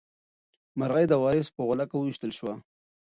مرغۍ د وارث په غولکه وویشتل شوه.